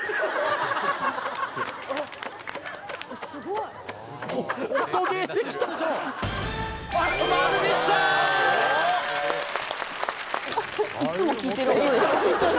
いつも聞いてる音でした。